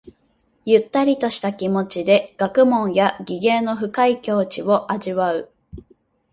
ゆったりとした気持ちで学問や技芸の深い境地を味わう。